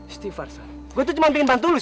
istighfar san gue cuma ingin bantu lu san